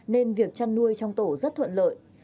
nên việc chăn nuôi trong tổ rất thuận lợi